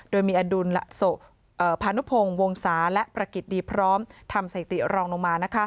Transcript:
โดยมีอดุลพานุพงศ์วงศาและประกิจดีพร้อมทำสถิติรองลงมา